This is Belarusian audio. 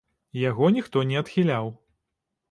Яго ніхто не адхіляў.